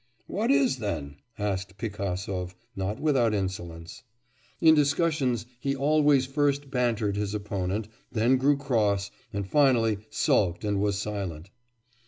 'What is then?' asked Pigasov, not without insolence. In discussions he always first bantered his opponent, then grew cross, and finally sulked and was silent.